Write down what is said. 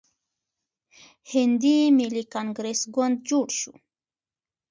هندي ملي کانګریس ګوند جوړ شو.